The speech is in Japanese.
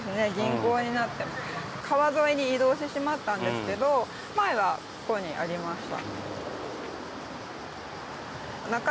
川沿いに移動してしまったんですけど前はここにありました。